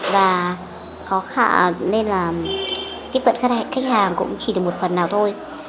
và có khả nên là tiếp cận khách hàng cũng chỉ được một phần nào thôi